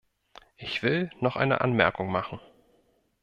Ich will noch eine Anmerkung machen.